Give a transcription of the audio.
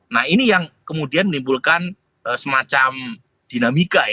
nah ini yang kemudian menimbulkan semacam dinamika ya